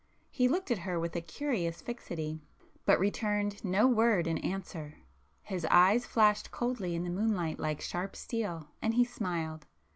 He looked at her with a curious fixity, but returned no word in answer. His eyes flashed coldly in the moonlight like sharp steel, and he smiled.